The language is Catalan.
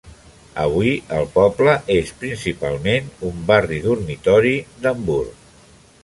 Avui, el poble és principalment un barri dormitori d'Hamburg.